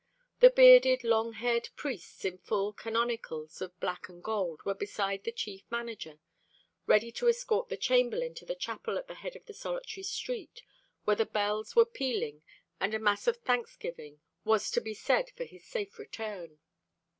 The bearded, long haired priests, in full canonicals of black and gold, were beside the Chief Manager, ready to escort the Chamberlain to the chapel at the head of the solitary street, where the bells were pealing and a mass of thanksgiving was to be said for his safe return.